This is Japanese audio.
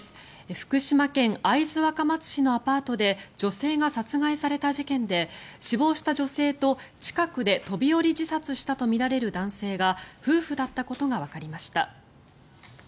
福島県会津若松市のアパートで女性が殺害された事件で死亡した女性と近くで飛び降り自殺したとみられる男性が夫婦だったことがわかりました。